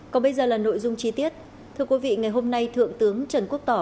còn bây giờ là nội dung chi tiết thưa quý vị ngày hôm nay thượng tướng trần quốc tỏ